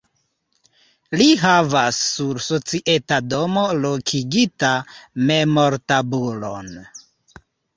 Li havas sur Societa domo lokigita memortabulon.